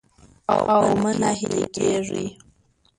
او مه ناهيلي کېږئ